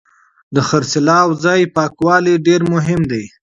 د پیرود ځای پاکوالی ډېر مهم دی.